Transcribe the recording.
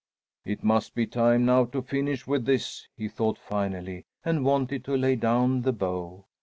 "It must be time now to finish with this," he thought finally, and wanted to lay down the bow.